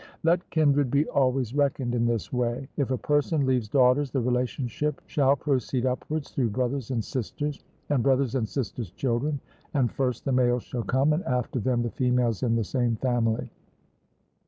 Let kindred be always reckoned in this way: if a person leaves daughters the relationship shall proceed upwards through brothers and sisters, and brothers' and sisters' children, and first the males shall come, and after them the females in the same family.